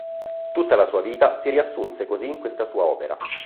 Tutta la sua vita si riassunse così in questa sua opera.